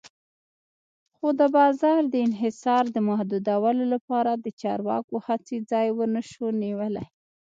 خو د بازار د انحصار د محدودولو لپاره د چارواکو هڅې ځای ونشو نیولی.